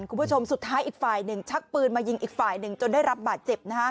คุณผู้ชมสุดท้ายอีกฝ่ายหนึ่งชักปืนมายิงอีกฝ่ายหนึ่งจนได้รับบาดเจ็บนะฮะ